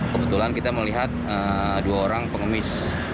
kebetulan kita melihat dua orang pengemis